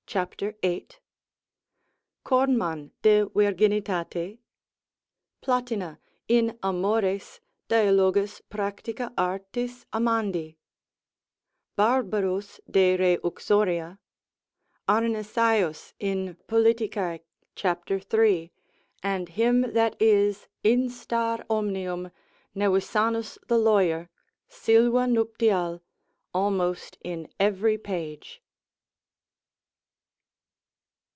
cap. 8. Kornman de virginitate, Platina in Amor. dial. Practica artis amandi, Barbarus de re uxoria, Arnisaeus in polit. cap. 3. and him that is instar omnium, Nevisanus the lawyer, Sylva nuptial, almost in every page.